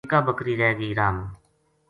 اِکا بکری رِہ گئی راہ ما